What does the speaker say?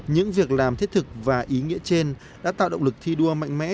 những việc làm thiết thực và ý nghĩa trên đã tạo động lực thi đua mạnh mẽ